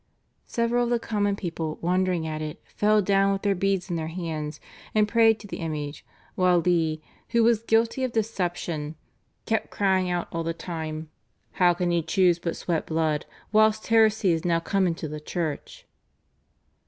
Several of the common people wondering at it, fell down with their beads in their hands, and prayed to the image, while Leigh who was guilty of the deception kept crying out all the time, "How can He choose but sweat blood whilst heresy is now come into the Church?"